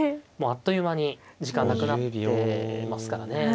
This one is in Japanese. もうあっという間に時間なくなってますからね